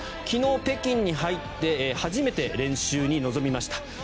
昨日、北京に入って初めて練習に臨みました。